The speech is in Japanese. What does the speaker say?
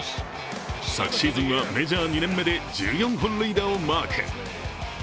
昨シーズンはメジャー２年目で１４本塁打をマーク。